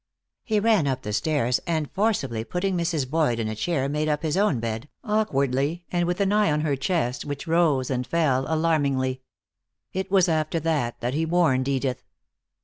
He ran up the stairs, and forcibly putting Mrs. Boyd in a chair, made up his own bed, awkwardly and with an eye on her chest, which rose and fell alarmingly. It was after that that he warned Edith.